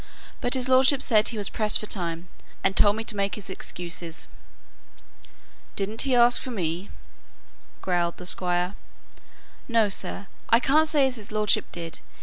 But his lordship said he was pressed for time, and told me to make his excuses." "Didn't he ask for me?" growled the Squire. "No, sir; I can't say as his lordship did.